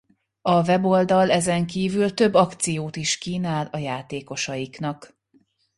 A weboldal ezen kívül több akciót is kínál a játékosaiknak.